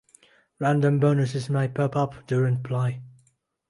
Random bonuses may pop up during play.